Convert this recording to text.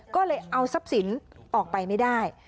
ก็เลยเอาทรัพย์สินออกไปไม่ได้